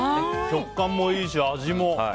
食感もいいし味も。